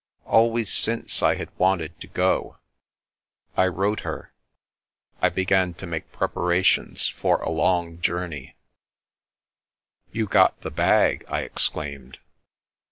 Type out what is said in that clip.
Always since, I had wanted to go. I wrote her. I began to make preparations for a long journey." t I . The Boy's Sister 365 You got the bag !" I exclaimed.